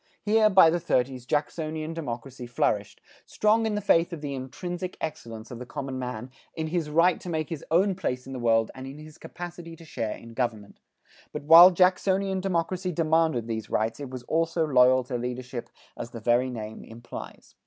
Here, by the thirties, Jacksonian democracy flourished, strong in the faith of the intrinsic excellence of the common man, in his right to make his own place in the world, and in his capacity to share in government. But while Jacksonian democracy demanded these rights, it was also loyal to leadership as the very name implies.